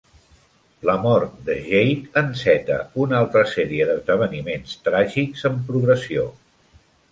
La mort de Jake enceta una altra sèrie d'esdeveniments tràgics en progressió.